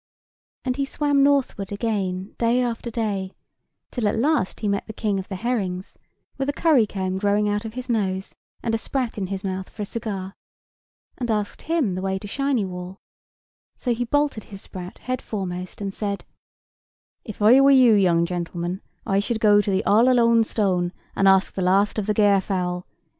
And he swam northward again, day after day, till at last he met the King of the Herrings, with a curry comb growing out of his nose, and a sprat in his mouth for a cigar, and asked him the way to Shiny Wall; so he bolted his sprat head foremost, and said: "If I were you, young Gentleman, I should go to the Allalonestone, and ask the last of the Gairfowl.